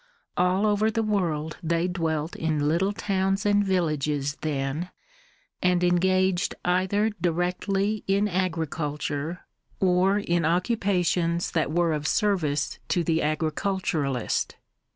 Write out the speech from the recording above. All over the world they dwelt in little towns and villages then, and engaged either directly in agriculture, or in occupations that were of service to the agriculturist.